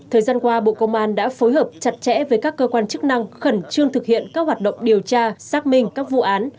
thời gian qua bộ công an đã phối hợp chặt chẽ với các cơ quan chức năng khẩn trương thực hiện các hoạt động điều tra xác minh các vụ án